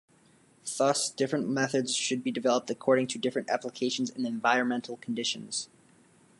Thus, different methods should be developed according to different applications and environmental conditions.